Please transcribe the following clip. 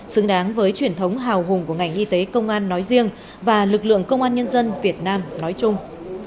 xứng đáng với truyền thống hào hùng của ngành y tế công an nói riêng và lực lượng công an nhân dân việt nam nói chung